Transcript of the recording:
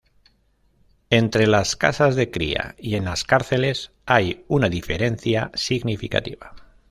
Entre las casas de cría y en las cárceles, hay una diferencia significativa.